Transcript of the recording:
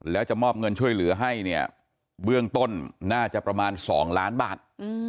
แล้วจะมอบเงินช่วยเหลือให้เนี่ยเบื้องต้นน่าจะประมาณ๒ล้านบาท